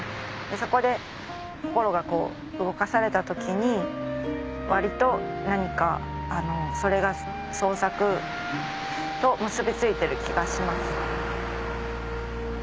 そこで心が動かされた時に割と何かそれが創作と結び付いてる気がします。